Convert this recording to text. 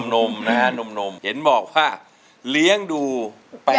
หนุ่มนะฮะหนุ่มเห็นบอกว่าเลี้ยงดู๘ชีวิต